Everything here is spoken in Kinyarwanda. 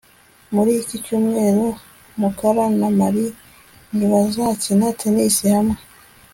Muri iki cyumweru Mukara na Mary ntibazakina tennis hamwe